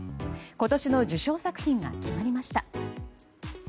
今年の受賞作品が決まりました。